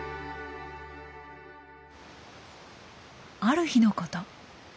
ある日のこと。